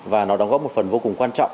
và nó đóng góp một phần vô cùng quan trọng